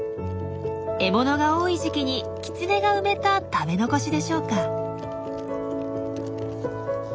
獲物が多い時期にキツネが埋めた食べ残しでしょうか。